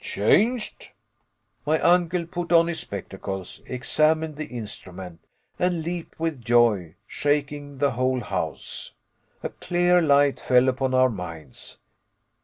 "Changed!" My uncle put on his spectacles, examined the instrument, and leaped with joy, shaking the whole house. A clear light fell upon our minds.